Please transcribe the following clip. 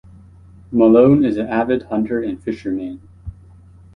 Malone is an avid hunter and fisherman.